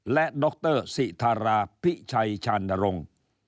และดรสิธาราพิชัยชานรงค์